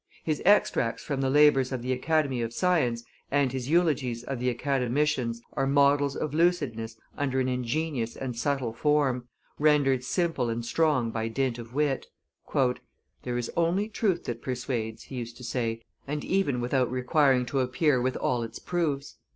His extracts from the labors of the Academy of Science and his eulogies of the Academicians are models of lucidness under an ingenious and subtle form, rendered simple and strong by dint of wit. "There is only truth that persuades," he used to say, "and even without requiring to appear with all its proofs.